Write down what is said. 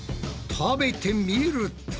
食べてみると？